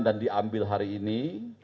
dan diambil hari ini